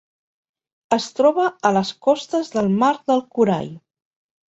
Es troba a les costes del Mar del Corall.